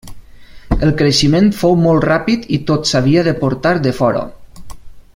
El creixement fou molt ràpid i tot s'havia de portar de fora.